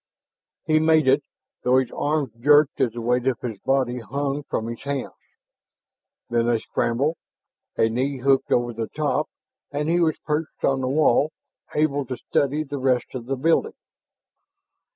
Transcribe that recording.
He made it, though his arms jerked as the weight of his body hung from his hands. Then a scramble, a knee hooked over the top, and he was perched on the wall, able to study the rest of the building.